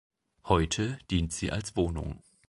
Heute dient sie als Wohnung.